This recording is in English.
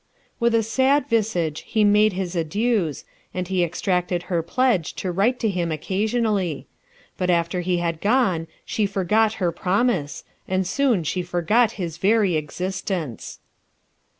With a sad Visage he made his Adieus, and he Exacted her Pledge to Write to him Occasionally. But after he had Gone she Forgot her Promise, and Soon she Forgot his Very Existence.